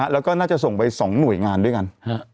แล้วก็น่าจะส่งไป๒หน่วยงานด้วยกัน